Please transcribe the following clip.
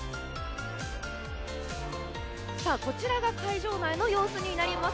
こちらが会場内の様子になります。